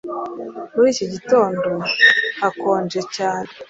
Muri iki gitondo hakonje cyane